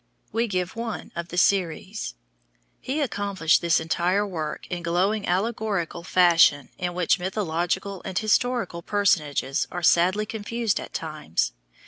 We give one of the series. He accomplished this entire work in glowing allegorical fashion in which mythological and historical personages are sadly confused at times.